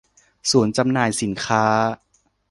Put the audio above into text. ศูนย์จำหน่ายสินค้า